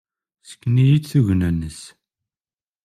Ssken-iyi-d tugna-nnes.